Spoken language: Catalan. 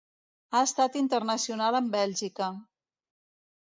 Ha estat internacional amb Bèlgica.